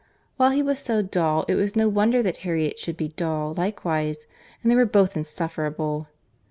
While he was so dull, it was no wonder that Harriet should be dull likewise; and they were both insufferable.